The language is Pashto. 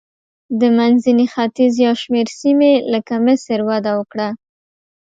د منځني ختیځ یو شمېر سیمې لکه مصر وده وکړه.